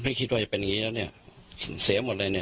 คิดว่าจะเป็นอย่างงี้แล้วเนี่ยเสียหมดเลยเนี่ย